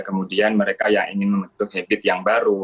kemudian mereka yang ingin membentuk habit yang baru